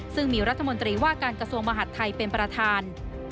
ซึ่งมีรัฐมนตรีว่าการกระทรวงมหาดไทยเป็นประธาน